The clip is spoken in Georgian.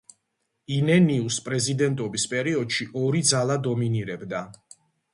ინენიუს პრეზიდენტობის პერიოდში ორი ძალა დომინირებდა.